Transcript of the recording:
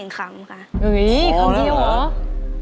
อุ้ยคำเดียวเหรอ